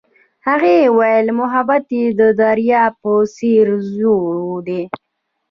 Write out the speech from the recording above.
هغې وویل محبت یې د دریا په څېر ژور دی.